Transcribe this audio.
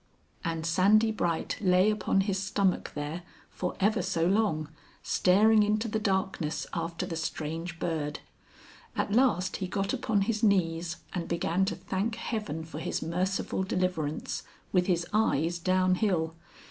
And Sandy Bright lay upon his stomach there, for ever so long, staring into the darkness after the strange bird. At last he got upon his knees and began to thank Heaven for his merciful deliverance, with his eyes downhill.